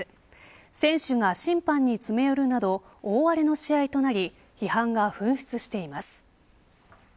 選手が審判に詰め寄るなど大荒れの試合となり批判が噴出しています。